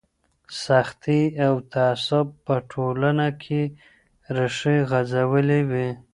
سختي او تعصب په ټولنه کي ريښې غځولې وې.